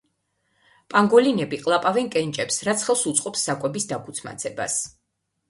პანგოლინები ყლაპავენ კენჭებს, რაც ხელს უწყობს საკვების დაქუცმაცებას.